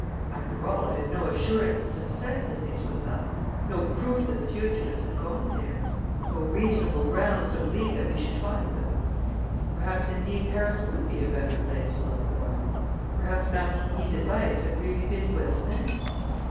After all, I had no assurance of success at Etretat no proof that the fugitives had gone there no reasonable grounds to believe that we should find them. Perhaps, indeed, Paris would be a better place to look for them; perhaps Martigny's advice had really been well meant.